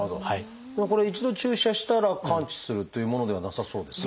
これ一度注射したら完治するというものではなさそうですね。